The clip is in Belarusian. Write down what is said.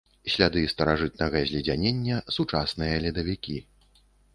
Сляды старажытнага зледзянення, сучасныя ледавікі.